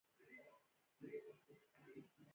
ولایتونه د طبیعي پدیدو یو ښکلی رنګ دی.